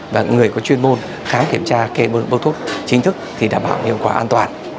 và người có chuyên môn kháng kiểm tra kê bước thuốc chính thức thì đảm bảo hiệu quả an toàn